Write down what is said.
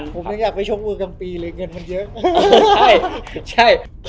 ผมยังอยากไปชบเมืองทางปีเลยเงินมันเยอะ